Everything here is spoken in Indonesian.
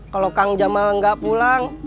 kalau kang jamal nggak pulang